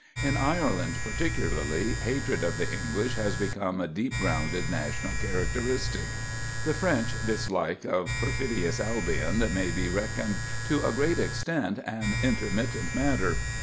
In Ireland, particularly, hatred of the English has become a deep grounded national characteristic. The French dislike of perfidious Albion may be reckoned to a great extent an intermittent matter.